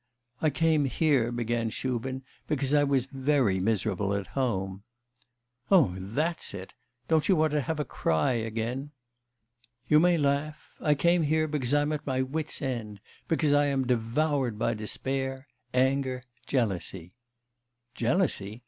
'I came here,' began Shubin, 'because I was very miserable at home.' 'Oh, that's it! Don't you want to have a cry again?' 'You may laugh! I came here because I'm at my wits' end, because I am devoured by despair, anger, jealousy.' 'Jealousy?